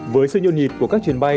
với sự nhộn nhịp của các chuyến bay